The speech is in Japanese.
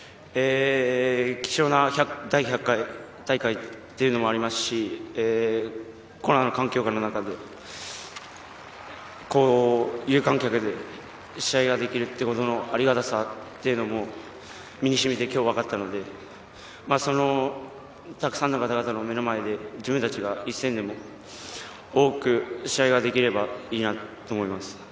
貴重な１００回大会というのもありますし、コロナの環境下の中で、有観客で試合ができるということのありがたさも実に染みて今日分かったので、たくさんの方々の目の前で自分たちが１戦でも多く試合ができればいいなと思います。